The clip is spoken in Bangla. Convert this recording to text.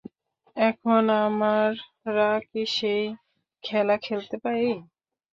এখন, আমরা কি সেই খেলা খেলতে পারি?